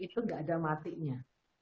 tidak ada yang matinya